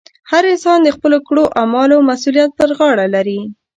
هر انسان د خپلو کړو اعمالو مسؤلیت پر غاړه لري.